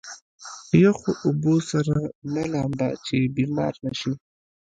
يخو اوبو سره مه لامبه چې بيمار نه شې.